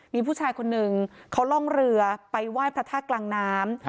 มีผู้ชายคนหนึ่งเขาล่องเรือไปไหว้พระธาตุกลางน้ำ